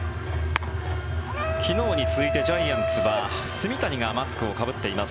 昨日に続いてジャイアンツは炭谷がマスクをかぶっています。